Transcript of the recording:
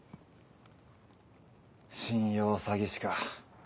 信用詐欺師か。